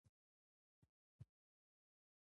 احمدشاه بابا د ملت هيلي را ژوندی کړي.